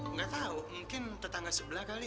nggak tahu mungkin tetangga sebelah kali